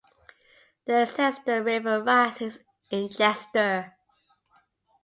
The Exeter River rises in Chester.